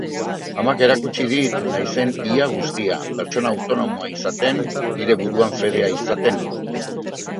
Amak erakutsi dit naizen ia guztia, pertsona autonomoa izaten, nire buruan fedea izaten.